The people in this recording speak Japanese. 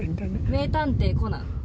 名探偵コナン。